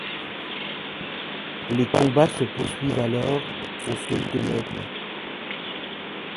Les combats se poursuivent alors au sud de l'Aisne.